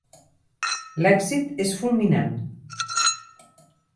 L'èxit és fulminant.